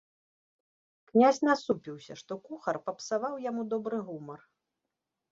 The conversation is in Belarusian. Князь насупіўся, што кухар папсаваў яму добры гумар.